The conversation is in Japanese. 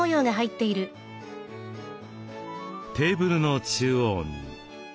テーブルの中央に。